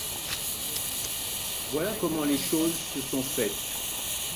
Voilà comment les choses se sont faîtes.